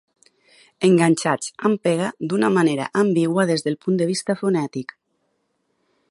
Enganxats amb pega d'una manera ambigua des del punt de vista fonètic.